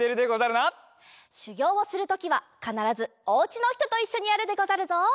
しゅぎょうをするときはかならずおうちのひとといっしょにやるでござるぞ。